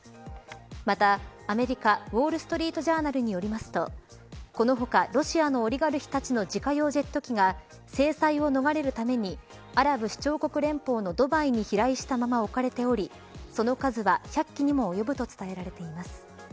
また、アメリカウォールストリート・ジャーナルによりますとこの他、ロシアのオリガルヒたちの自家用ジェット機が制裁を逃れるためにアラブ首長国連邦のドバイに飛来したまま置かれておりその数は１００機にも及ぶとされています。